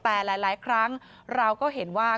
แต่หลายครั้งเราก็เห็นว่า